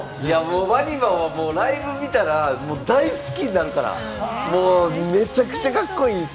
ＷＡＮＩＭＡはライブ見たら、好きになるから、めちゃめちゃカッコいい。